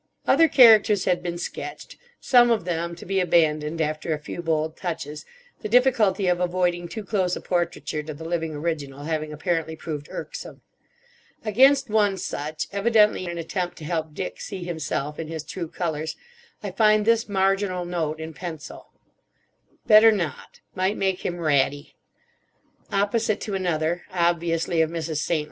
Other characters had been sketched, some of them to be abandoned after a few bold touches: the difficulty of avoiding too close a portraiture to the living original having apparently proved irksome. Against one such, evidently an attempt to help Dick see himself in his true colours, I find this marginal, note in pencil: "Better not. Might make him ratty." Opposite to another—obviously of Mrs. St.